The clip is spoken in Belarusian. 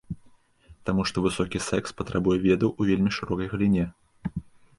Таму што высокі секс патрабуе ведаў у вельмі шырокай галіне.